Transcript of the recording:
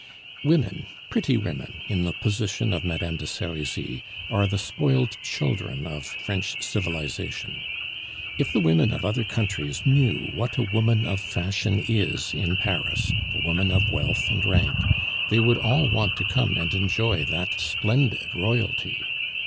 Women, pretty women, in the position of Madame de Serizy, are the spoiled children of French civilization. If the women of other countries knew what a woman of fashion is in Paris, a woman of wealth and rank, they would all want to come and enjoy that splendid royalty.